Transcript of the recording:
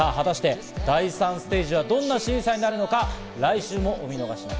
第３ステージはどんな審査になるのか来週もお見逃しなく。